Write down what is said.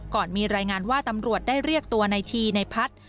ก่อนมีรายงานว่าตำรวจได้เรียกตัวในทีในพัฒน์